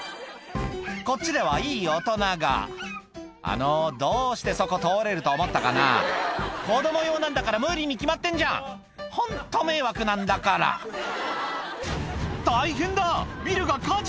こっちではいい大人があのどうしてそこ通れると思ったかな子供用なんだから無理に決まってんじゃんホント迷惑なんだから大変だビルが火事！